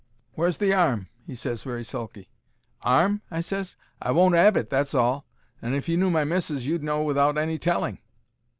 "Where's the 'arm?" he ses, very sulky. "'Arm?" I ses. "I won't 'ave it, that's all; and if you knew my missis you'd know without any telling."